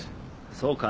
そうか。